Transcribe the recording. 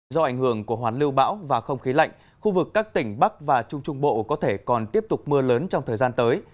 do ảnh hưởng của hoán lưu bão và không khí lạnh khu vực các tỉnh bắc và trung trung bộ có thể còn tiếp tục mưa lớn trong thời gian tới